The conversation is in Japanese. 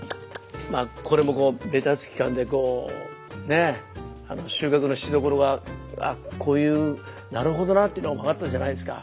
まあこれもベタつき感でこうねえ収穫のしどころがあこういうなるほどなっていうのが分かったじゃないですか。